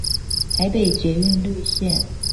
台北捷運綠線